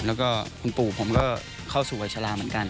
แล้วก็คุณปู่ผมก็เข้าสู่วัยชะลาเหมือนกัน